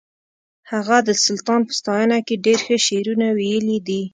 هغه د سلطان په ستاینه کې ډېر ښه شعرونه ویلي دي